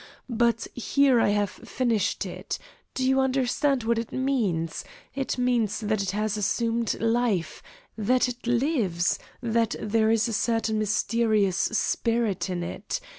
But here I have finished it. Do you understand what it means? It means that it has assumed life, that it lives, that there is a certain mysterious spirit in it.